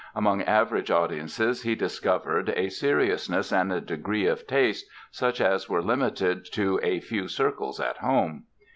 Among average audiences he discovered a seriousness and a degree of taste such as were limited to a few circles at home.